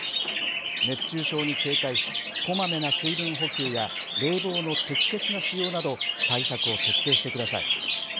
熱中症に警戒しこまめな水分補給や冷房の適切な使用など対策を徹底してください。